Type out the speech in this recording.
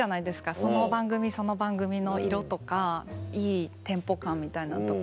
その番組その番組の色とかいいテンポ感みたいなのとか。